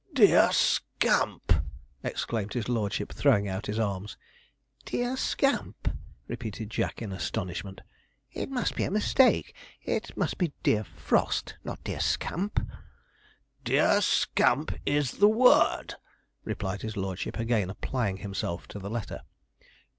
'Dear Scamp!' exclaimed his lordship, throwing out his arms. 'Dear Scamp!' repeated Jack in astonishment. 'It must be a mistake. It must be dear Frost, not dear Scamp.' 'Dear Scamp is the word,' replied his lordship, again applying himself to the letter.